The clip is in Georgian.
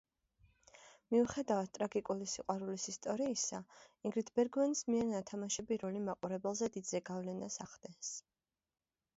მიუხედავად ტრაგიკული სიყვარულის ისტორიისა, ინგრიდ ბერგმანის მიერ ნათამაშები როლი მაყურებელზე დიდ ზეგავლენას ახდენს.